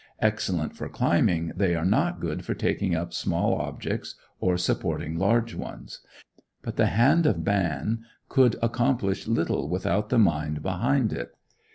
Excellent for climbing, they are not good for taking up small objects or supporting large ones. But the hand of man could accomplish little without the mind behind it.